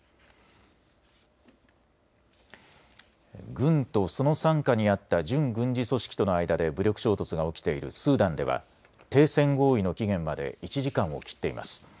軍とその傘下にあった準軍事組織との間で武力衝突が起きているスーダンでは停戦合意の期限まで１時間を切っています。